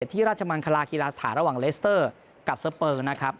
ที่ราชมังคลากีฬาสถานระหว่างเลสเตอร์กับสเปอร์นะครับ